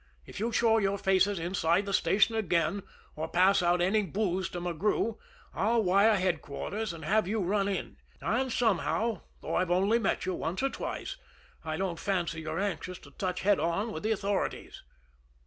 If you show your faces inside the station again or pass out any more booze to McGrew, I'll wire headquarters and have you run in; and somehow, though I've only met you once or twice, I don't fancy you're anxious to touch head on with the authorities."